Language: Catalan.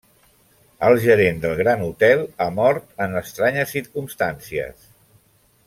El gerent del Gran Hotel ha mort en estranyes circumstàncies.